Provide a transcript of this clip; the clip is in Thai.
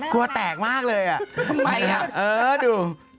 กลัวแตกมากเลยอ่ะไม่ครับเออดู